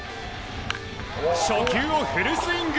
初球をフルスイング。